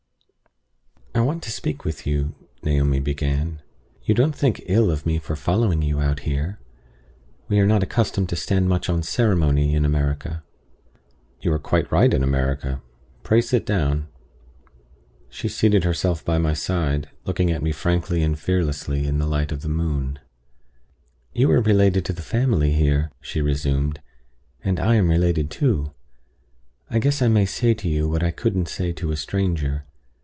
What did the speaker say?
"I WANT to speak to you," Naomi began "You don't think ill of me for following you out here? We are not accustomed to stand much on ceremony in America." "You are quite right in America. Pray sit down." She seated herself by my side, looking at me frankly and fearlessly by the light of the moon. "You are related to the family here," she resumed, "and I am related too. I guess I may say to you what I couldn't say to a stranger.